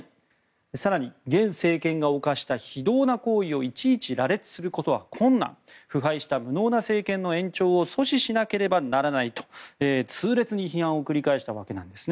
更に、現政権が犯した非道な行為をいちいち羅列することは困難腐敗した無能な政権の延長を阻止しなければならないと痛烈に批判を繰り返したわけです。